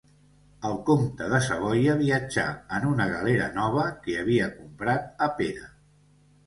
El comte de Savoia viatjà en una galera nova que havia comprat a Pera.